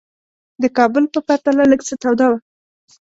د کابل په پرتله لږ څه توده وه.